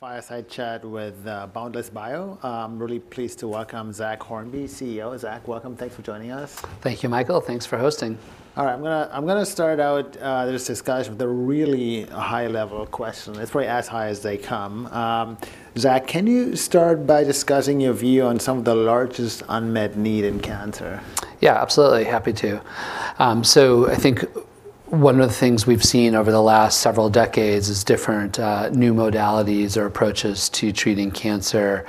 A fireside chat with Boundless Bio. I'm really pleased to welcome Zach Hornby, CEO. Zach, welcome. Thanks for joining us. Thank you, Michael. Thanks for hosting. All right, I'm gonna, I'm gonna start out, just discuss with a really high-level question. It's probably as high as they come. Zach, can you start by discussing your view on some of the largest unmet need in cancer? Yeah, absolutely. Happy to. So I think one of the things we've seen over the last several decades is different new modalities or approaches to treating cancer.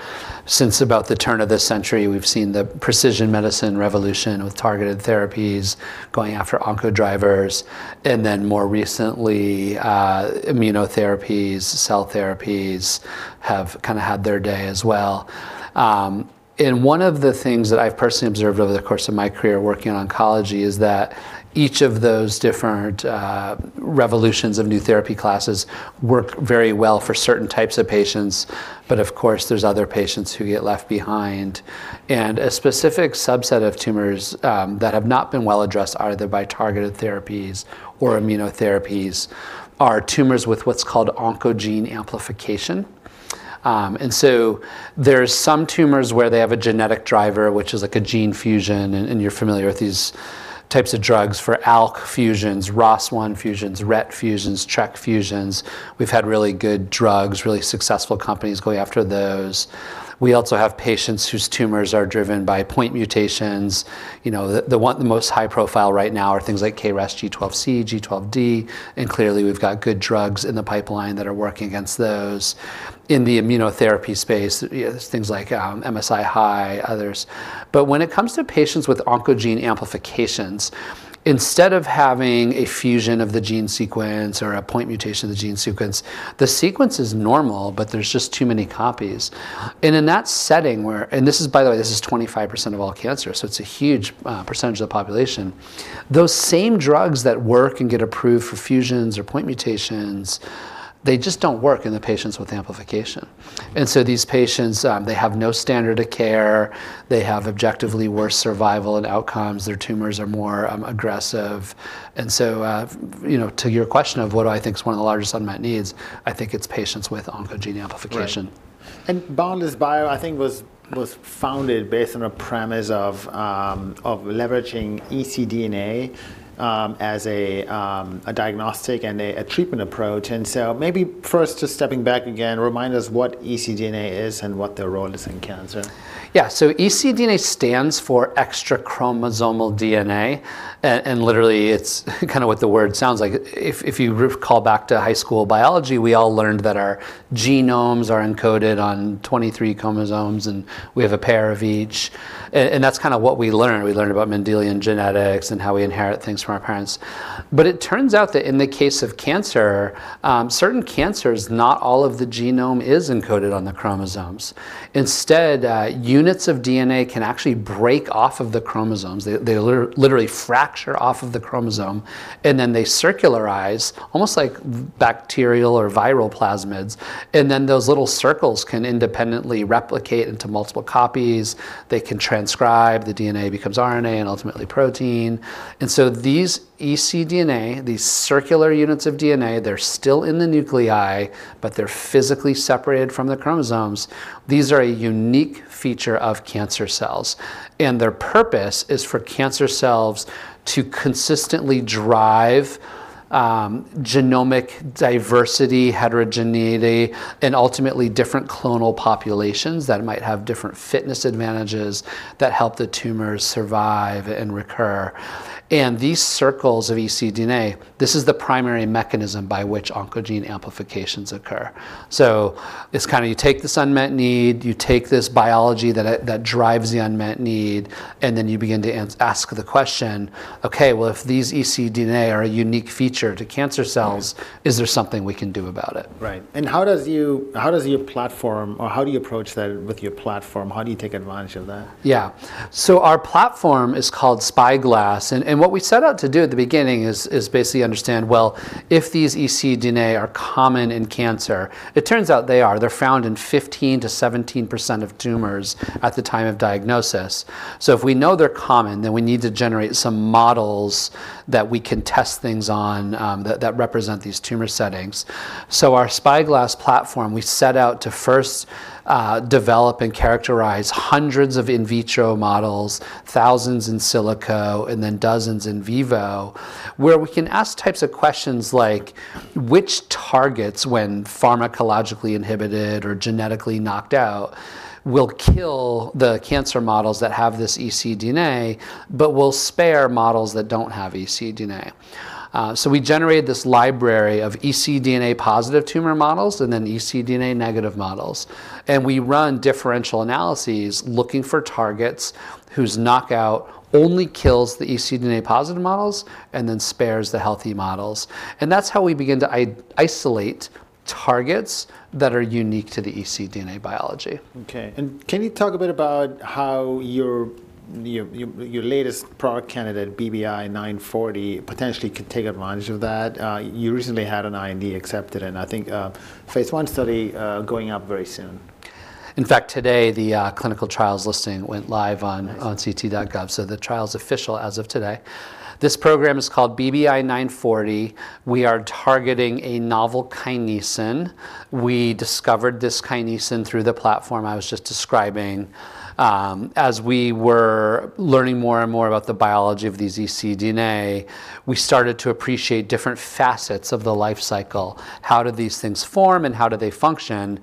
Since about the turn of the century, we've seen the precision medicine revolution with targeted therapies going after oncodrivers, and then more recently, immunotherapies, cell therapies have kind of had their day as well. And one of the things that I've personally observed over the course of my career working in oncology is that each of those different revolutions of new therapy classes work very well for certain types of patients, but of course, there's other patients who get left behind. A specific subset of tumors that have not been well addressed, either by targeted therapies or immunotherapies, are tumors with what's called oncogene amplification. And so there's some tumors where they have a genetic driver, which is like a gene fusion, and you're familiar with these types of drugs for ALK fusions, ROS1 fusions, RET fusions, TRK fusions. We've had really good drugs, really successful companies going after those. We also have patients whose tumors are driven by point mutations. You know, the one - the most high profile right now are things like KRAS G12C, G12D, and clearly, we've got good drugs in the pipeline that are working against those. In the immunotherapy space, yeah, there's things like MSI-high, others. But when it comes to patients with oncogene amplifications, instead of having a fusion of the gene sequence or a point mutation of the gene sequence, the sequence is normal, but there's just too many copies. And in that setting, where... And this is, by the way, this is 25% of all cancer, so it's a huge percentage of the population. Those same drugs that work and get approved for fusions or point mutations, they just don't work in the patients with amplification, and so these patients, they have no standard of care. They have objectively worse survival and outcomes. Their tumors are more aggressive. And so, you know, to your question of what I think is one of the largest unmet needs, I think it's patients with oncogene amplification. Right. And Boundless Bio, I think, was founded based on a premise of leveraging ecDNA as a diagnostic and a treatment approach. And so maybe first, just stepping back again, remind us what ecDNA is and what the role is in cancer. Yeah. So ecDNA stands for extrachromosomal DNA, and literally, it's kind of what the word sounds like. If you recall back to high school biology, we all learned that our genomes are encoded on 23 chromosomes, and we have a pair of each. And that's kind of what we learn. We learn about Mendelian genetics and how we inherit things from our parents. But it turns out that in the case of cancer, certain cancers, not all of the genome is encoded on the chromosomes. Instead, units of DNA can actually break off of the chromosomes. They literally fracture off of the chromosome, and then they circularize, almost like bacterial or viral plasmids, and then those little circles can independently replicate into multiple copies. They can transcribe. The DNA becomes RNA and ultimately protein. These ecDNA, these circular units of DNA, they're still in the nuclei, but they're physically separated from the chromosomes. These are a unique feature of cancer cells, and their purpose is for cancer cells to consistently drive genomic diversity, heterogeneity, and ultimately, different clonal populations that might have different fitness advantages that help the tumors survive and recur. These circles of ecDNA, this is the primary mechanism by which oncogene amplifications occur. It's kind of you take this unmet need, you take this biology that that drives the unmet need, and then you begin to ask the question: Okay, well, if these ecDNA are a unique feature to cancer cells- Right... is there something we can do about it? Right. And how does your platform, or how do you approach that with your platform? How do you take advantage of that? Yeah. So our platform is called Spyglass, and what we set out to do at the beginning is basically understand, well, if these ecDNA are common in cancer. It turns out they are. They're found in 15%-17% of tumors at the time of diagnosis. So if we know they're common, then we need to generate some models that we can test things on, that represent these tumor settings. So our Spyglass platform, we set out to first, develop and characterize hundreds of in vitro models, thousands in silico, and then dozens in vivo, where we can ask types of questions like: Which targets, when pharmacologically inhibited or genetically knocked out, will kill the cancer models that have this ecDNA but will spare models that don't have ecDNA? So we generated this library of ecDNA-positive tumor models and then ecDNA-negative models, and we run differential analyses looking for targets whose knockout only kills the ecDNA-positive models and then spares the healthy models. And that's how we begin to isolate targets that are unique to the ecDNA biology. Okay. And can you talk a bit about how your latest product candidate, BBI-940, potentially could take advantage of that? You recently had an IND accepted, and I think phase 1 study going up very soon. ... In fact, today, the clinical trials listing went live on ct.gov, so the trial is official as of today. This program is called BBI-940. We are targeting a novel kinesin. We discovered this kinesin through the platform I was just describing. As we were learning more and more about the biology of these ecDNA, we started to appreciate different facets of the life cycle. How did these things form, and how do they function?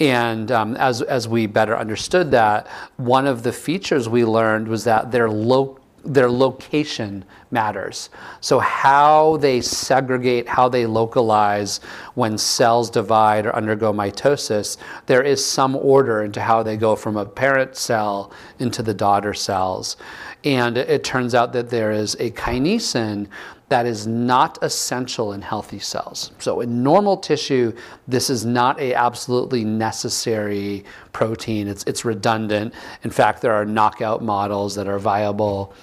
And as we better understood that, one of the features we learned was that their location matters. So how they segregate, how they localize when cells divide or undergo mitosis, there is some order into how they go from a parent cell into the daughter cells. And it turns out that there is a kinesin that is not essential in healthy cells. So in normal tissue, this is not absolutely necessary protein. It's redundant. In fact, there are knockout models that are viable.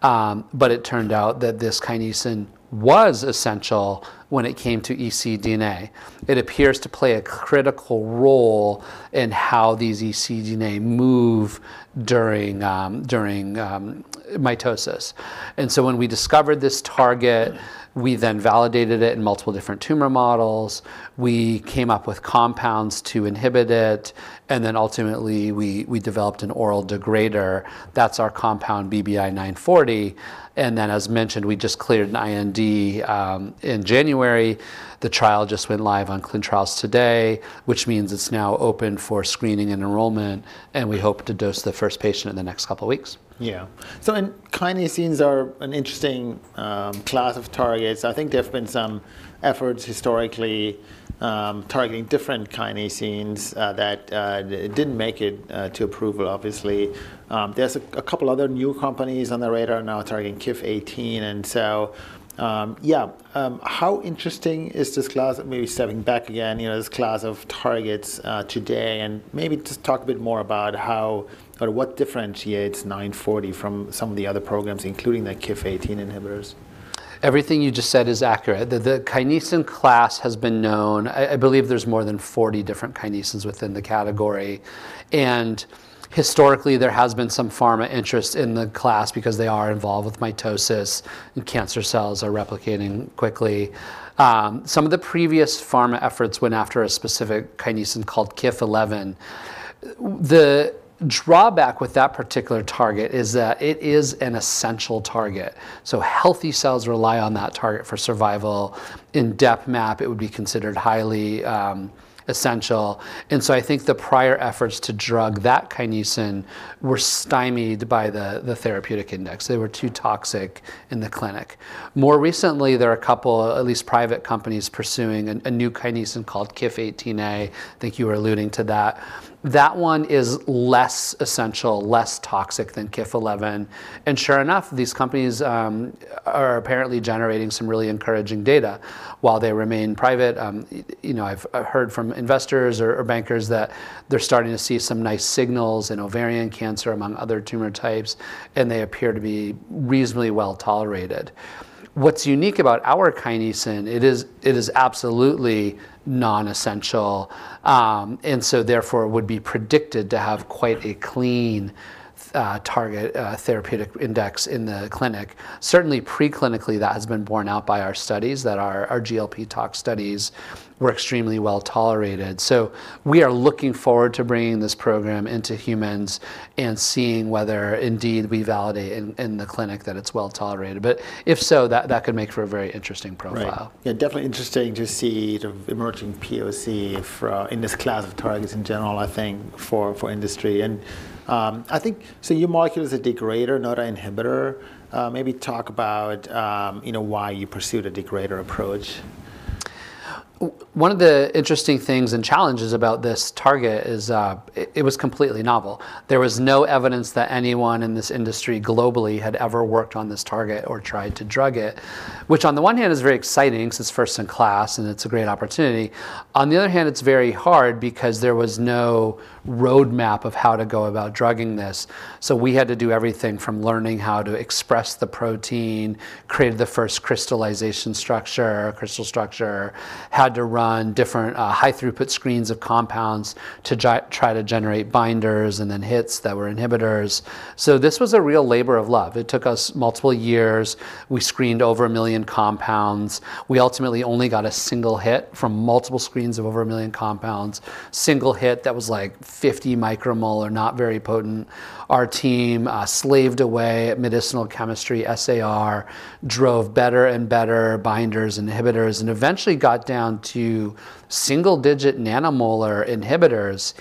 But it turned out that this kinesin was essential when it came to ecDNA. It appears to play a critical role in how these ecDNA move during mitosis. And so when we discovered this target, we then validated it in multiple different tumor models. We came up with compounds to inhibit it, and then ultimately, we developed an oral degrader. That's our compound, BBI-940. And then, as mentioned, we just cleared an IND in January. The trial just went live on ClinicalTrials.gov today, which means it's now open for screening and enrollment, and we hope to dose the first patient in the next couple weeks. Yeah. So and kinesins are an interesting class of targets. I think there have been some efforts historically targeting different kinesins that didn't make it to approval, obviously. There's a couple other new companies on the radar now targeting KIF18A, and so, yeah. How interesting is this class? Maybe stepping back again, you know, this class of targets today, and maybe just talk a bit more about how or what differentiates BBI-940 from some of the other programs, including the KIF18A inhibitors. Everything you just said is accurate. The kinesin class has been known. I believe there's more than 40 different kinesins within the category, and historically, there has been some pharma interest in the class because they are involved with mitosis, and cancer cells are replicating quickly. Some of the previous pharma efforts went after a specific kinesin called KIF11. The drawback with that particular target is that it is an essential target, so healthy cells rely on that target for survival. In DepMap, it would be considered highly essential, and so I think the prior efforts to drug that kinesin were stymied by the therapeutic index. They were too toxic in the clinic. More recently, there are a couple, at least private companies, pursuing a new kinesin called KIF18A. I think you were alluding to that. That one is less essential, less toxic than KIF11. Sure enough, these companies are apparently generating some really encouraging data. While they remain private, you know, I've heard from investors or bankers that they're starting to see some nice signals in ovarian cancer, among other tumor types, and they appear to be reasonably well-tolerated. What's unique about our kinesin, it is absolutely non-essential, and so therefore, would be predicted to have quite a clean target therapeutic index in the clinic. Certainly, preclinically, that has been borne out by our studies, that our GLP tox studies were extremely well-tolerated. So we are looking forward to bringing this program into humans and seeing whether indeed we validate in the clinic that it's well-tolerated. But if so, that could make for a very interesting profile. Right. Yeah, definitely interesting to see the emerging POC for in this class of targets in general, I think, for industry. And, I think... So your molecule is a degrader, not an inhibitor. Maybe talk about, you know, why you pursued a degrader approach. One of the interesting things and challenges about this target is, it, it was completely novel. There was no evidence that anyone in this industry globally had ever worked on this target or tried to drug it, which on the one hand is very exciting, because it's first in class, and it's a great opportunity. On the other hand, it's very hard because there was no roadmap of how to go about drugging this. So we had to do everything from learning how to express the protein, create the first crystallization structure, crystal structure, had to run different high-throughput screens of compounds to try to generate binders and then hits that were inhibitors. So this was a real labor of love. It took us multiple years. We screened over 1 million compounds. We ultimately only got a single hit from multiple screens of over 1 million compounds. Single hit that was, like, 50 micromolar, not very potent. Our team slaved away at medicinal chemistry. SAR drove better and better binders, inhibitors, and eventually got down to single-digit nanomolar inhibitors.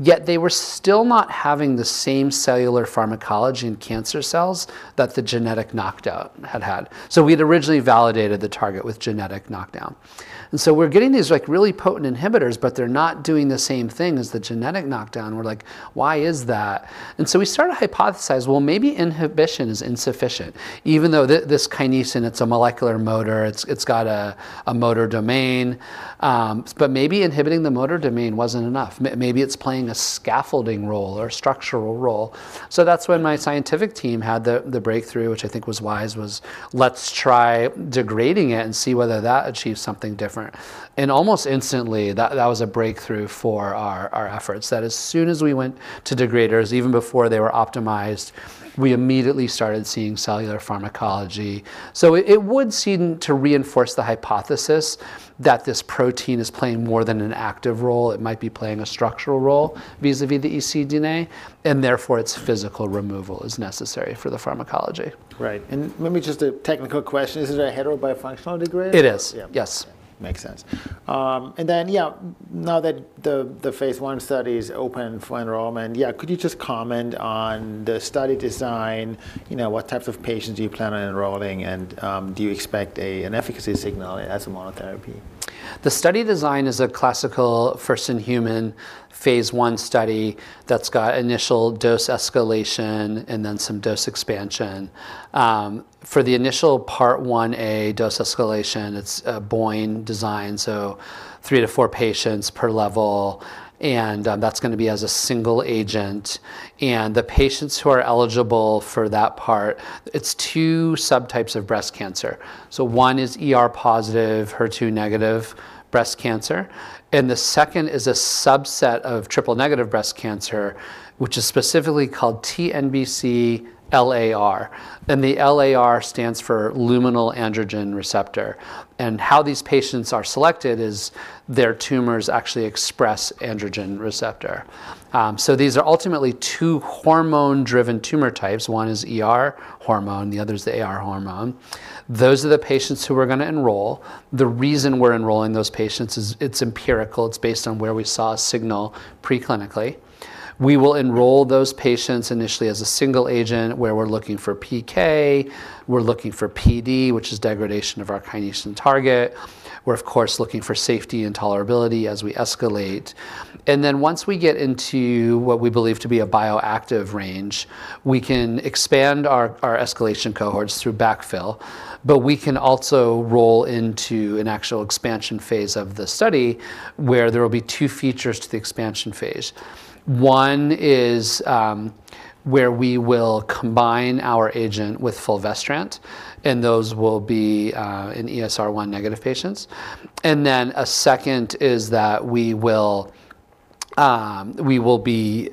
Yet they were still not having the same cellular pharmacology in cancer cells that the genetic knockout had had. So we'd originally validated the target with genetic knockdown. And so we're getting these, like, really potent inhibitors, but they're not doing the same thing as the genetic knockdown. We're like: Why is that? And so we started to hypothesize, "Well, maybe inhibition is insufficient," even though this kinesin, it's a molecular motor, it's got a motor domain, but maybe inhibiting the motor domain wasn't enough. Maybe it's playing a scaffolding role or structural role. So that's when my scientific team had the breakthrough, which I think was wise: "Let's try degrading it and see whether that achieves something different." And almost instantly, that was a breakthrough for our efforts. That as soon as we went to degraders, even before they were optimized, we immediately started seeing cellular pharmacology. So it would seem to reinforce the hypothesis that this protein is playing more than an active role. It might be playing a structural role vis-à-vis the ecDNA, and therefore, its physical removal is necessary for the pharmacology. Right. Maybe just a technical question, is it a heterobifunctional degrader? It is. Yeah. Yes. Makes sense. And then, yeah, now that the phase 1 study is open for enrollment, yeah, could you just comment on the study design? You know, what types of patients do you plan on enrolling, and do you expect an efficacy signal as a monotherapy? The study design is a classical first-in-human phase I study that's got initial dose escalation and then some dose expansion. For the initial Part 1A dose escalation, it's a BOIN design, so 3-4 patients per level, and that's gonna be as a single agent. The patients who are eligible for that part, it's two subtypes of breast cancer. So one is ER-positive, HER2-negative breast cancer, and the second is a subset of triple-negative breast cancer, which is specifically called TNBC LAR, and the LAR stands for luminal androgen receptor. How these patients are selected is their tumors actually express androgen receptor. So these are ultimately two hormone-driven tumor types. One is ER hormone, the other is the AR hormone. Those are the patients who we're gonna enroll. The reason we're enrolling those patients is it's empirical. It's based on where we saw a signal preclinically. We will enroll those patients initially as a single agent, where we're looking for PK, we're looking for PD, which is degradation of our kinesin and target. We're, of course, looking for safety and tolerability as we escalate. And then, once we get into what we believe to be a bioactive range, we can expand our escalation cohorts through backfill, but we can also roll into an actual expansion phase of the study, where there will be two features to the expansion phase. One is, where we will combine our agent with fulvestrant, and those will be, in ESR1-negative patients. And then a second is that we will be, looking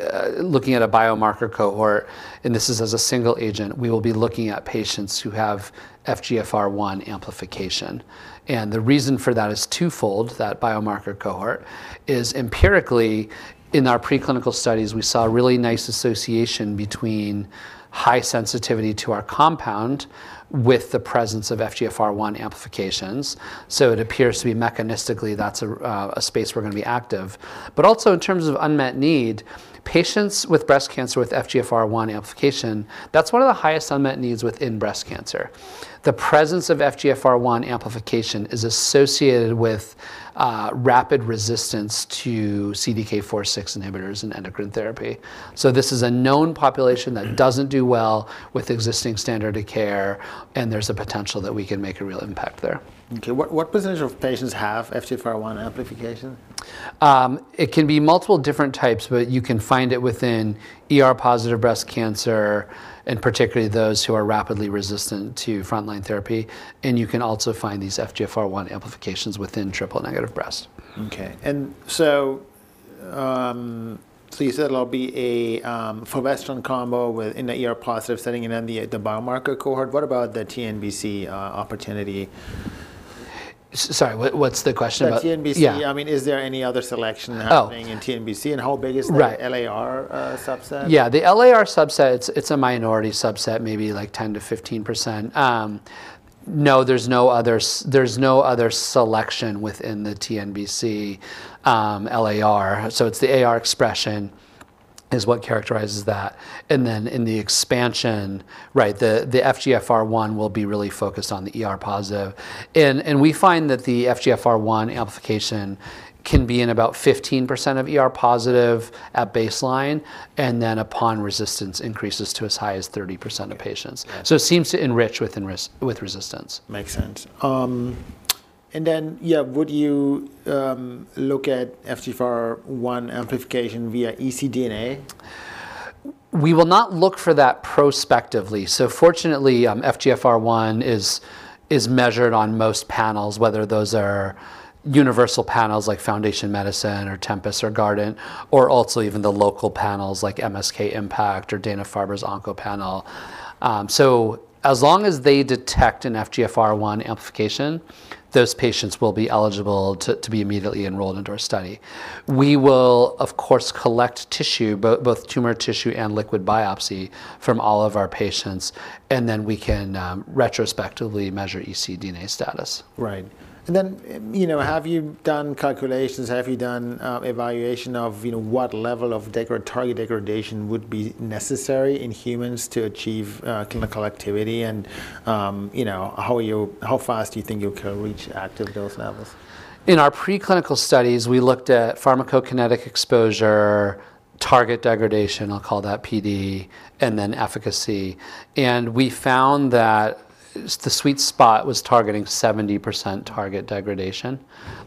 at a biomarker cohort, and this is as a single agent. We will be looking at patients who have FGFR1 amplification, and the reason for that is twofold. That biomarker cohort is empirically... In our preclinical studies, we saw a really nice association between high sensitivity to our compound with the presence of FGFR1 amplifications. So it appears to be mechanistically, that's a, a space we're gonna be active, but also in terms of unmet need, patients with breast cancer with FGFR1 amplification, that's one of the highest unmet needs within breast cancer. The presence of FGFR1 amplification is associated with, rapid resistance to CDK4/6 inhibitors and endocrine therapy. So this is a known population that doesn't do well with existing standard of care, and there's a potential that we can make a real impact there. Okay, what percentage of patients have FGFR1 amplification? It can be multiple different types, but you can find it within ER-positive breast cancer, and particularly those who are rapidly resistant to frontline therapy, and you can also find these FGFR1 amplifications within triple-negative breast. Okay, so you said it'll be a fulvestrant combo within the ER-positive setting and then the biomarker cohort. What about the TNBC opportunity? Sorry, what, what's the question about? The TNBC- Yeah. I mean, is there any other selection- Oh! - happening in TNBC, and how big is- Right... the LAR, subset? Yeah, the LAR subset, it's a minority subset, maybe, like, 10%-15%. No, there's no other selection within the TNBC LAR. So it's the AR expression, is what characterizes that, and then in the expansion. Right, the FGFR1 will be really focused on the ER positive. And we find that the FGFR1 amplification can be in about 15% of ER positive at baseline, and then upon resistance, increases to as high as 30% of patients. Yeah. So it seems to enrich within resistance. Makes sense. And then, yeah, would you look at FGFR1 amplification via ecDNA? We will not look for that prospectively. So fortunately, FGFR1 is measured on most panels, whether those are universal panels like Foundation Medicine or Tempus or Guardant, or also even the local panels like MSK-IMPACT or Dana-Farber's OncoPanel. So as long as they detect an FGFR1 amplification, those patients will be eligible to be immediately enrolled into our study. We will, of course, collect tissue, both tumor tissue and liquid biopsy, from all of our patients, and then we can retrospectively measure ecDNA status. Right. And then, you know, have you done calculations? Have you done evaluation of, you know, what level of target degradation would be necessary in humans to achieve clinical activity? And, you know, how fast do you think you can reach active dose levels? In our preclinical studies, we looked at pharmacokinetic exposure, target degradation, I'll call that PD, and then efficacy. We found that the sweet spot was targeting 70% target degradation,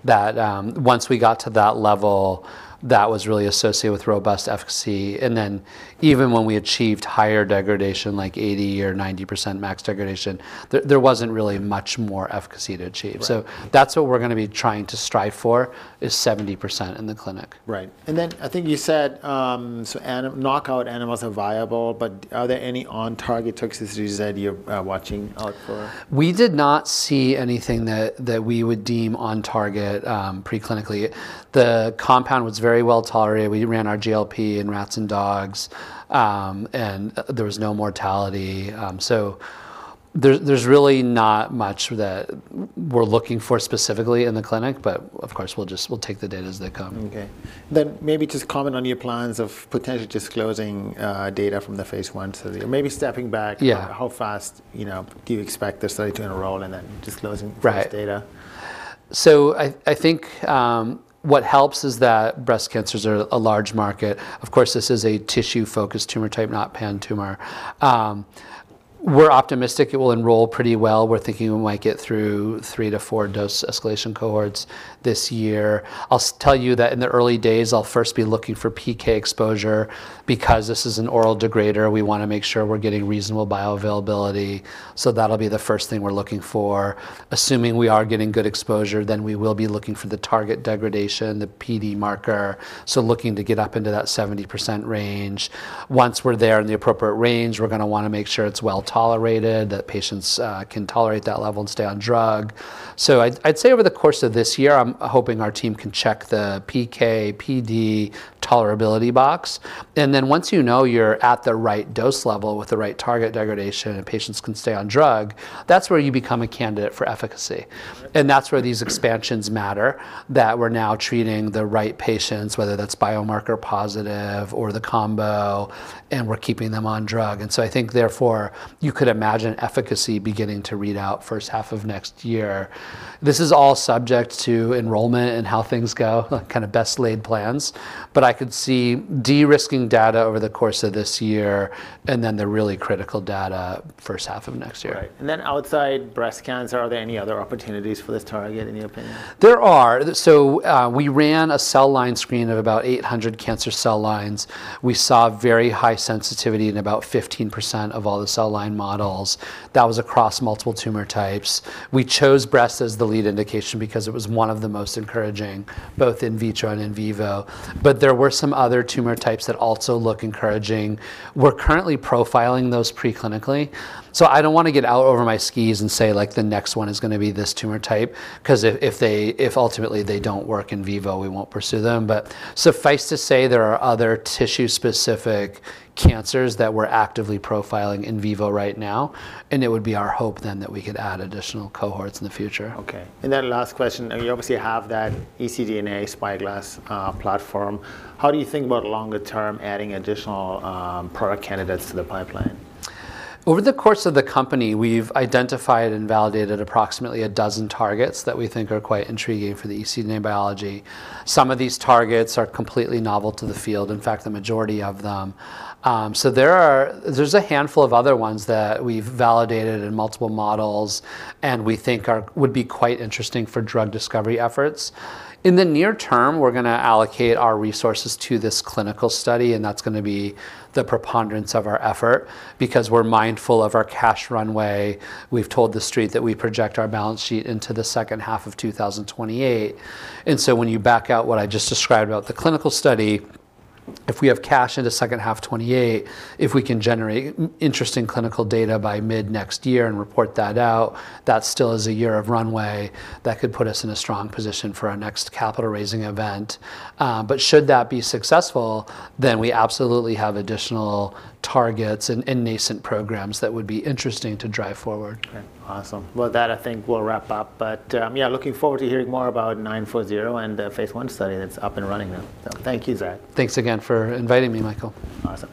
that once we got to that level, that was really associated with robust efficacy. Then, even when we achieved higher degradation, like 80% or 90% max degradation, there wasn't really much more efficacy to achieve. Right. That's what we're gonna be trying to strive for, is 70% in the clinic. Right. And then I think you said, so any knockout animals are viable, but are there any on-target toxicities that you're watching out for? We did not see anything that we would deem on target preclinically. The compound was very well tolerated. We ran our GLP in rats and dogs, and there was no mortality. So there, there's really not much that we're looking for specifically in the clinic, but of course, we'll take the data as they come. Okay. Then maybe just comment on your plans of potentially disclosing data from the phase 1 study, or maybe stepping back- Yeah... how fast, you know, do you expect the study to enroll and then disclosing- Right this data?... So I think what helps is that breast cancers are a large market. Of course, this is a tissue-focused tumor type, not pan-tumor. We're optimistic it will enroll pretty well. We're thinking we might get through 3-4 dose escalation cohorts this year. I'll tell you that in the early days, I'll first be looking for PK exposure. Because this is an oral degrader, we wanna make sure we're getting reasonable bioavailability, so that'll be the first thing we're looking for. Assuming we are getting good exposure, then we will be looking for the target degradation, the PD marker, so looking to get up into that 70% range. Once we're there in the appropriate range, we're gonna wanna make sure it's well-tolerated, that patients can tolerate that level and stay on drug. So I'd say over the course of this year, I'm hoping our team can check the PK, PD tolerability box, and then once you know you're at the right dose level with the right target degradation, and patients can stay on drug, that's where you become a candidate for efficacy. And that's where these expansions matter, that we're now treating the right patients, whether that's biomarker positive or the combo, and we're keeping them on drug. And so I think therefore, you could imagine efficacy beginning to read out first half of next year. This is all subject to enrollment and how things go, kind of best laid plans, but I could see de-risking data over the course of this year, and then the really critical data first half of next year. Right. And then outside breast cancer, are there any other opportunities for this target, in your opinion? There are. So, we ran a cell line screen of about 800 cancer cell lines. We saw very high sensitivity in about 15% of all the cell line models. That was across multiple tumor types. We chose breast as the lead indication because it was one of the most encouraging, both in vitro and in vivo, but there were some other tumor types that also look encouraging. We're currently profiling those preclinically, so I don't wanna get out over my skis and say, like, the next one is gonna be this tumor type, 'cause if, if they- if ultimately they don't work in vivo, we won't pursue them. But suffice to say, there are other tissue-specific cancers that we're actively profiling in vivo right now, and it would be our hope then that we could add additional cohorts in the future. Okay. And then last question, and you obviously have that ecDNA Spyglass platform. How do you think about longer term adding additional product candidates to the pipeline? Over the course of the company, we've identified and validated approximately a dozen targets that we think are quite intriguing for the ecDNA biology. Some of these targets are completely novel to the field, in fact, the majority of them. So there's a handful of other ones that we've validated in multiple models and we think would be quite interesting for drug discovery efforts. In the near term, we're gonna allocate our resources to this clinical study, and that's gonna be the preponderance of our effort, because we're mindful of our cash runway. We've told the Street that we project our balance sheet into the second half of 2028, and so when you back out what I just described about the clinical study, if we have cash into second half of 2028, if we can generate interesting clinical data by mid-next year and report that out, that still is a year of runway that could put us in a strong position for our next capital-raising event. But should that be successful, then we absolutely have additional targets and, and nascent programs that would be interesting to drive forward. Okay, awesome. Well, that, I think, we'll wrap up. But, yeah, looking forward to hearing more about 940 and the phase 1 study that's up and running now. So thank you, Zach. Thanks again for inviting me, Michael. Awesome.